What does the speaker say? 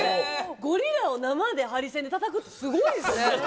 ゴリラを生でハリセンでたたくって、すごいですね。